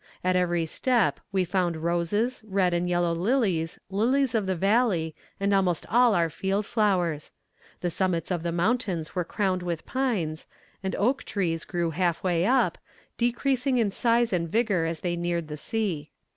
At every step we found roses, red and yellow lilies, lilies of the valley, and almost all our field flowers. The summits of the mountains were crowned with pines, and oak trees grew half way up, decreasing in size and vigour as they neared the sea.